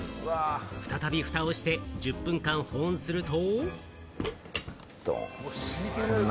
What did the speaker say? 再びふたをして１０分間、保温すると。